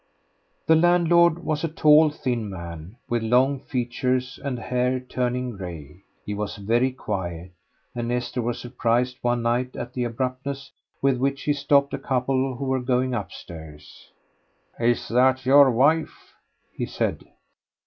The landlord was a tall, thin man, with long features and hair turning grey. He was very quiet, and Esther was surprised one night at the abruptness with which he stopped a couple who were going upstairs. "Is that your wife?" he said.